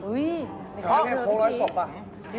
เฮ้ยเขาอยู่ในโครงลอยศพอ่ะ